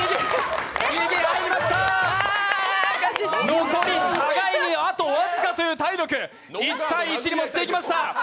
残り、互いにあと僅かという体力、１−１にもってきました。